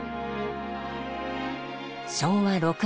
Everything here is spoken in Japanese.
昭和６年。